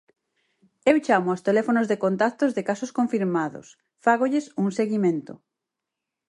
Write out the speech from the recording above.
Eu chamo aos teléfonos de contactos de casos confirmados, fágolles un seguimento.